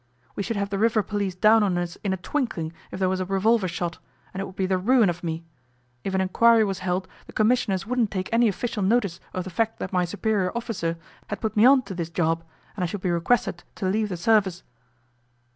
We should have the river police down on us in a twinkling if there was a revolver shot, and it would be the ruin of me. If an inquiry was held the Commissioners wouldn't take any official notice of the fact that my superior officer had put me on to this job, and I should be requested to leave the service.